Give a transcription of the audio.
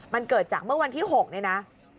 มันเกิดจากเมื่อวันที่๖เนี่ยนะ